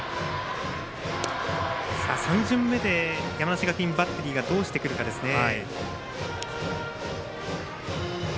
３巡目で山梨学院バッテリーがどうしてくるかですね。